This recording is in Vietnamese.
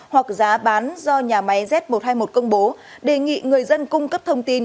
hoặc giá bán do nhà máy z một trăm hai mươi một công bố đề nghị người dân cung cấp thông tin